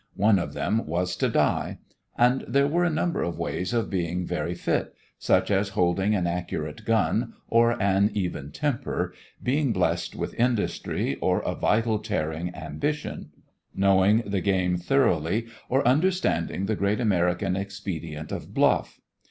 One of them was to die. And there were a number of ways of being very fit; such as holding an accurate gun or an even temper, being blessed with industry or a vital tearing ambition, knowing the game thoroughly or understanding the great American expedient of bluff.